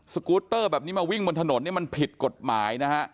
กูตเตอร์แบบนี้มาวิ่งบนถนนเนี่ยมันผิดกฎหมายนะฮะ